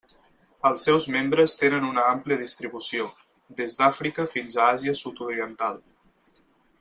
Els seus membres tenen una àmplia distribució, des d'Àfrica fins a Àsia Sud-oriental.